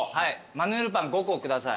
マヌルパン５個下さい。